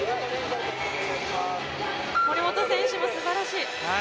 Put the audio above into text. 森本選手もすばらしい。